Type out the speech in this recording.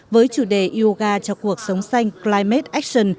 với chủ đề yoga cho cuộc sống xanh climate action